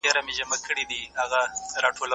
په حکومت کي د فساد کلک مخنيوی وکړئ.